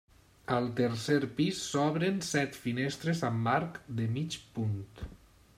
Al tercer pis s'obren set finestres amb arc de mig punt.